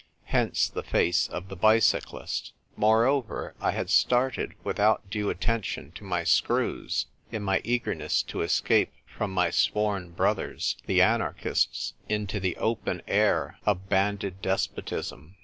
Hence the face of the bicyclist. Moreover, I had started without due attention to my screws, in my eagerness to escape from my sworn brothers, the anarchists, into the open air of Banded 84 THE TYPE WRITER GIRL. Despotism.